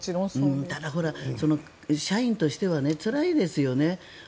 ただ、社員としてはつらいですよね。